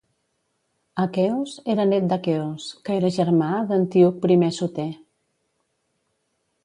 Aqueos era net d'Aqueos, que era germà d'Antíoc I Soter.